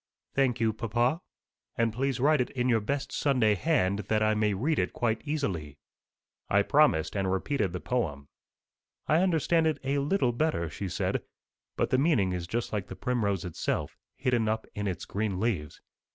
"Thank you, papa. And please write it in your best Sunday hand, that I may read it quite easily." I promised, and repeated the poem. "I understand it a little better," she said; "but the meaning is just like the primrose itself, hidden up in its green leaves.